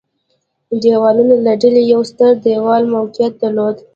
دېوالونو له ډلې یو ستر دېوال موقعیت درلود.